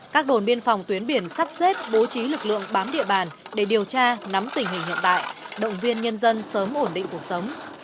các đồn biên phòng tuyến biển sắp xếp bố trí lực lượng bám địa bàn để điều tra nắm tình hình hiện tại động viên nhân dân sớm ổn định cuộc sống